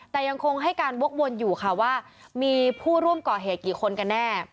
แต่ยังคงให้การวกวนอยู่ค่ะว่ามีผู้ร่วมก่อเหตุกี่คนกันแน่